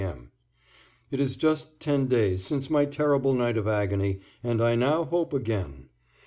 M.= It is just ten days since my terrible night of agony, and I now hope again.